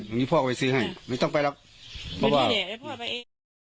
ตรงนี้พ่อก็ไปซื้อให้ไม่ต้องไปรับไม่ต้องไปแหละให้พ่อไปเอง